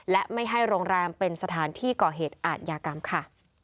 และไม่ให้โรงแรมเป็นสถานที่ก่อเหตุอาทยากรรมค่ะ